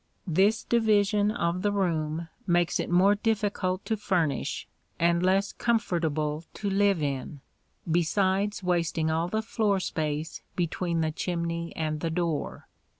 This division of the room makes it more difficult to furnish and less comfortable to live in, besides wasting all the floor space between the chimney and the door.